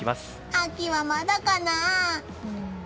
秋はまだかな。